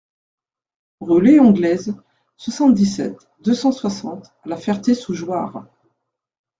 Rue Léon Glaize, soixante-dix-sept, deux cent soixante La Ferté-sous-Jouarre